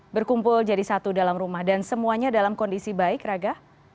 berkumpul jadi satu dalam rumah dan semuanya dalam kondisi baik raga